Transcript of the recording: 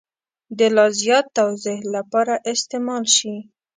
د لا زیات توضیح لپاره استعمال شي.